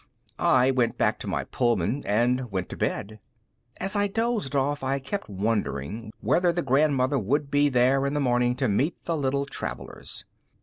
I went back to my Pullman, and went to bed. And as I dozed off I kept wondering whether the Grandmother would be there in the morning to meet the little travelers.